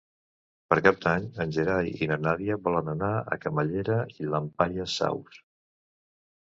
Per Cap d'Any en Gerai i na Nàdia volen anar a Camallera i Llampaies Saus.